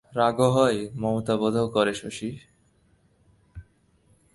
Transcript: রাগও হয়, মমতাও বোধ করে শশী।